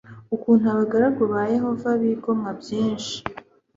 ukuntu abagaragu ba Yehova bigomwa byinshi.